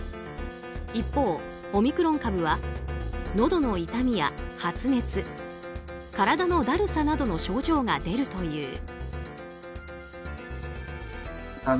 一方、オミクロン株はのどの痛みや発熱体のだるさなどの症状が出るという。